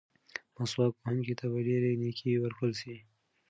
مسواک وهونکي ته به ډېرې نیکۍ ورکړل شي.